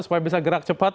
supaya bisa gerak cepat